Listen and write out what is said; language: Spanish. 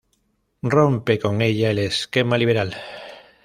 Rompe con ella el esquema liberal.